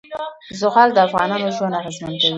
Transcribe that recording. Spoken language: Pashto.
زغال د افغانانو ژوند اغېزمن کوي.